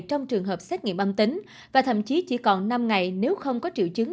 trong trường hợp xét nghiệm âm tính và thậm chí chỉ còn năm ngày nếu không có triệu chứng